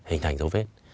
hình thành dấu vết